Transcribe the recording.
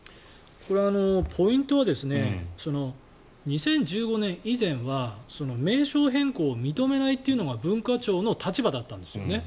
これはポイントは２０１５年以前は名称変更を認めないというのが文化庁の立場だったんですよね。